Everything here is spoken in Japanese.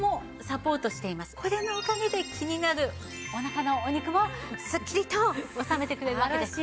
これのおかげで気になるお腹のお肉もすっきりと収めてくれるわけです。